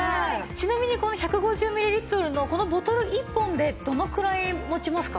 ちなみにこの１５０ミリリットルのこのボトル１本でどのくらい持ちますか？